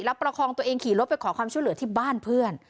แล้วประคองตัวเองขี่รถไปขอความช่วยเหลือที่บ้านเพื่อน